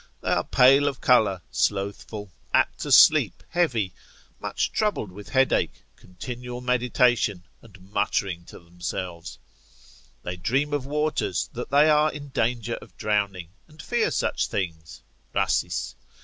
They are pale of colour, slothful, apt to sleep, heavy; much troubled with headache, continual meditation, and muttering to themselves; they dream of waters, that they are in danger of drowning, and fear such things, Rhasis.